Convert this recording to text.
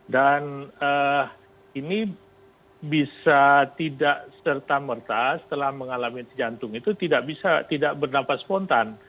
dan ini bisa tidak serta merta setelah mengalami henti jantung itu tidak bisa tidak bernafas spontan